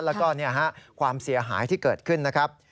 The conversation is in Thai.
แล้วก็ความเสียหายที่เกิดขึ้นนะครับ